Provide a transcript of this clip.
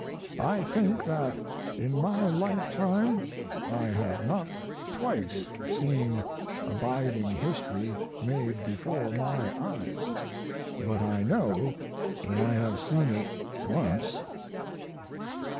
I think that in my lifetime I have not twice seen abiding history made before my eyes, but I know that I have seen it once.